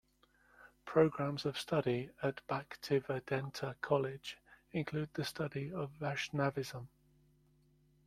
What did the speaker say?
Programmes of study at Bhaktivedanta College include the study of Vaishnavism.